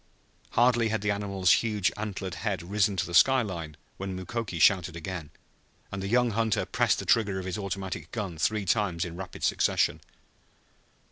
Hardly had the animal's huge antlered head risen to the sky line when Mukoki shouted again, and the young hunter pressed the trigger of his automatic gun three times in rapid succession.